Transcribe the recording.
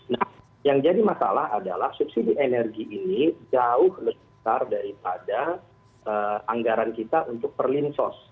nah yang jadi masalah adalah subsidi energi ini jauh lebih besar daripada anggaran kita untuk perlinsos